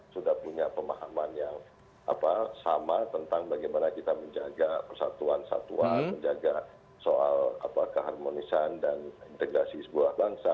sudah punya pemahaman yang sama tentang bagaimana kita menjaga persatuan satuan menjaga soal keharmonisan dan integrasi sebuah bangsa